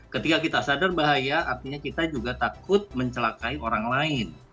ketika kita sadar bahaya artinya kita juga takut mencelakai orang lain